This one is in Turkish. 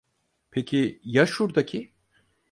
Peki, ya şurdaki?